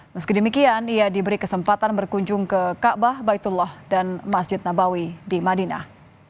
meski demikian ia diberi kesempatan berkunjung ke kaabah baitullah dan masjid nabawi di madinah